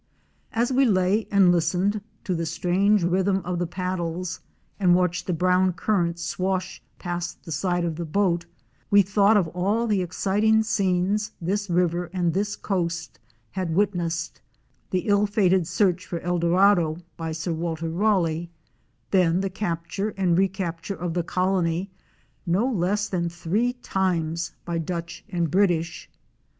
As we lay and listened to the strange rhythm of the pad dles, and watched the brown current swash past the side of the boat, we thought of all the exciting scenes this river and this coast had witnessed: —the ill fated search for El Dorado by Sir Walter Raleigh; then the capture and recapture of the colony no less than three times by Dutch and British.